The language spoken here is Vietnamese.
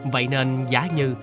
vậy nên giá như